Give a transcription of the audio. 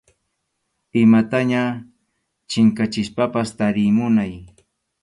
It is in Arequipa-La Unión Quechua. Imataña chinkachispapas tariy munay.